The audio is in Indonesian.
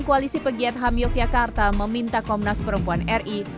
koalisi pegiat ham yogyakarta meminta komnas perempuan ri